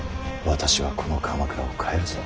私はこの鎌倉を変えるぞ。